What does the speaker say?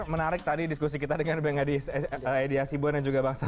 menarik tadi diskusi kita dengan bang edi hasibuan dan juga bang sai